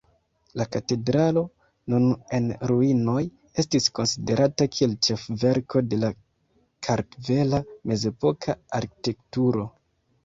La katedralo, nun en ruinoj, estis konsiderata kiel ĉefverko de la kartvela mezepoka arkitekturo.